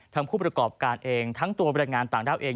ผู้ประกอบการเองทั้งตัวบรรยายงานต่างด้าวเอง